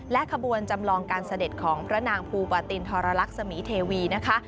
ขบวนจำลองการเสด็จของพระนางภูบาตินทรลักษณ์สมีเทวีนะคะ